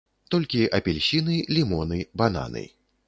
Толькі апельсіны, лімоны, бананы.